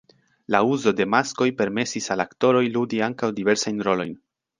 La uzo de maskoj permesis al la aktoroj ludi ankaŭ diversajn rolojn.